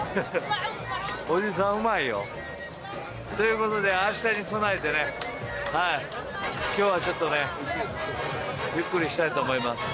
おじさん、うまいよ。ということで明日に備えて今日はちょっとねゆっくりしたいと思います。